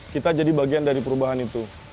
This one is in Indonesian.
kita jadi bagian dari perubahan itu